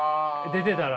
出てたら？